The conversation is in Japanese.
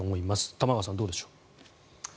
玉川さん、どうでしょう。